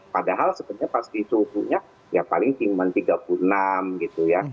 padahal sebetulnya pasti tubuhnya ya paling tiga puluh enam gitu ya